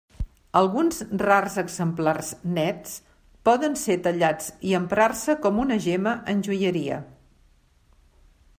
Alguns rars exemplars nets poden ser tallats i emprar-se com una gemma en joieria.